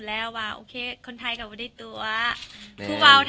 อ่ะเอาตัวออกเหรอตรงนี้เลยเหรอ